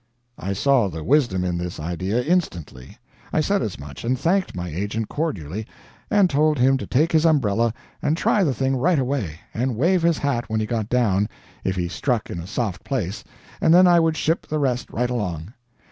I saw the wisdom in this idea instantly. I said as much, and thanked my agent cordially, and told him to take his umbrella and try the thing right away, and wave his hat when he got down, if he struck in a soft place, and then I would ship the rest right along.